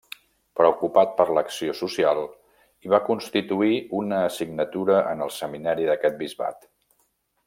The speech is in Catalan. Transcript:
Preocupat per l'acció social, hi va constituir una assignatura en el Seminari d'aquest bisbat.